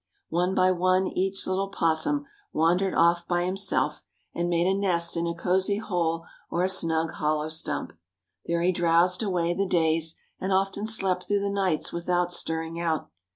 One by one each little opossum wandered off by himself, and made a nest in a cosy hole or a snug hollow stump. There he drowsed away the days, and often slept through the nights without stirring out.